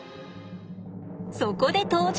そこで登場！